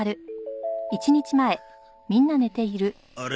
あれ？